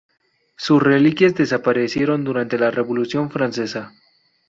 Sus reliquias desaparecieron durante la Revolución francesa.